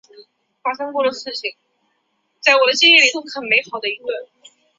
基础制动装置为单侧闸瓦制动。